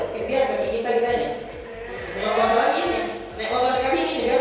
keuang sampai sini ya kan